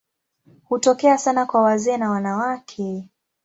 Hutokea sana kwa wazee na wanawake.